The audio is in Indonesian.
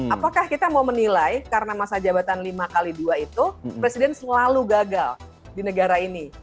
apakah kita mau menilai karena masa jabatan lima x dua itu presiden selalu gagal di negara ini